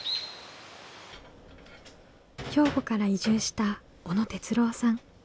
兵庫から移住した小野哲郎さん。